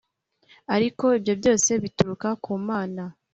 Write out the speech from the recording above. Ariko ibyo byose bituruka ku Mana,